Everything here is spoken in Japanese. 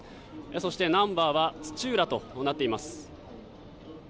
そして、ナンバーは土浦となっています。